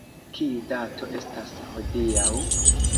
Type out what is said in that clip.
Kiu dato estas hodiaŭ?